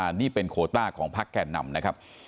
บอกว่านี่เป็นโคต้าของภักดิ์แก่นำนะครับ